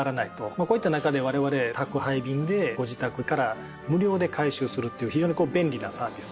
こういった中でわれわれ宅配便でご自宅から無料で回収するっていう非常に便利なサービス